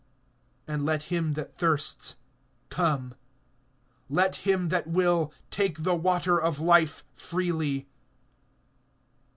And let him that thirsts, come; let him that will, take the water of life freely.